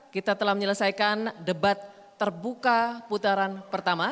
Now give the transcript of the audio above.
kita telah menyelesaikan debat terbuka putaran pertama